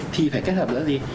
thì phải kết hợp giữa gì